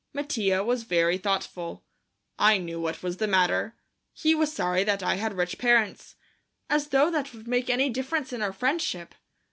Mattia was very thoughtful. I knew what was the matter. He was sorry that I had rich parents. As though that would make any difference in our friendship!